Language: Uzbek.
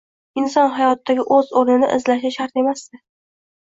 Inson hayotdagi o‘z o‘rnini izlashi shart emasdi